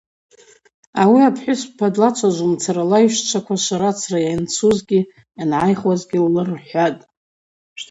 Ауи апхӏвыспа длачважвумцара лайщчваква шварацра йанцузгьи йангӏайхуазгьи ллырхӏватӏ.